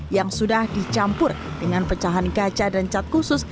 yang sudah dicampur dengan pecahan kaca dan cat khusus